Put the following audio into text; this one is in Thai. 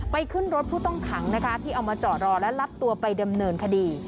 ขึ้นรถผู้ต้องขังนะคะที่เอามาจอดรอและรับตัวไปดำเนินคดี